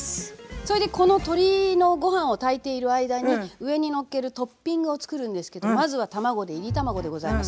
それでこの鶏のご飯を炊いている間に上にのっけるトッピングを作るんですけどまずは卵でいり卵でございます。